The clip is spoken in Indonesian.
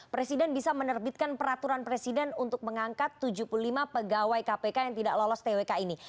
presiden bisa menerbitkan peraturan presiden untuk mengangkat tujuh puluh lima pegawai kpk yang tidak lolos twk ini